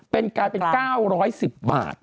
เป็นกลายเป็น๙๑๐บาท